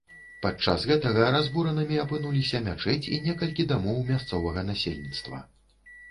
Падчас гэтага разбуранымі апынуліся мячэць і некалькі дамоў мясцовага насельніцтва.